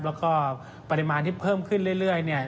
แล้วก็ปริมาณที่เพิ่มขึ้นเรื่อยเนี่ย